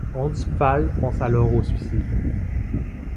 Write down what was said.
Hans Pfaall pense alors au suicide.